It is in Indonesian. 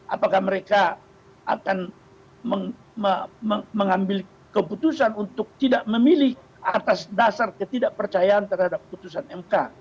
apakah mereka akan mengambil keputusan untuk tidak memilih atas dasar ketidakpercayaan terhadap putusan mk